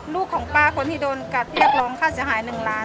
ลูกของป้าคนที่โดนกัดเรียกร้องค่าเสียหาย๑ล้าน